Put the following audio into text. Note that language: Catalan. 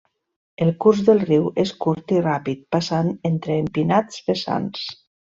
El curs del riu és curt i ràpid passant entre empinats vessants.